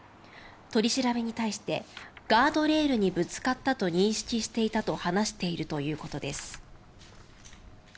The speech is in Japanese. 取り調べに対して「ガードレールにぶつかったと認識していた」と話しているということです。